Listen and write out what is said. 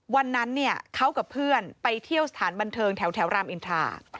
วันนั้นเนี่ยเขากับเพื่อนไปเที่ยวสถานบันเทิงแถวรามอินทรา